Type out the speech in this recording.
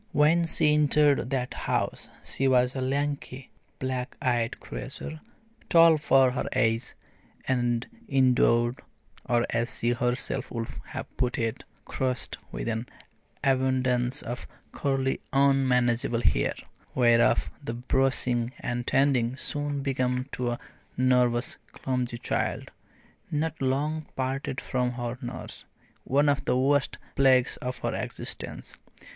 When she entered that house she was a lanky, black eyed creature, tall for her age, and endowed or, as she herself would have put it, cursed with an abundance of curly unmanageable hair, whereof the brushing and tending soon became to a nervous clumsy child, not long parted from her nurse, one of the worst plagues of her existence.